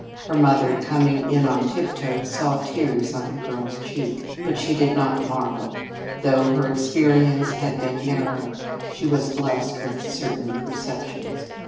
Her mother coming in on tiptoe saw tears on the girl's cheek, but she did not marvel. Though her experience had been narrow she was blessed with certain perceptions.